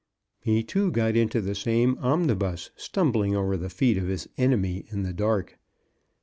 He, too, got into the same omnibus, stumbling over the feet of his enemy in the dark.